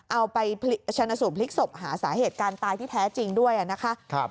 เอาไปชนะสูตรพลิกศพหาสาเหตุการตายที่แท้จริงด้วยนะคะ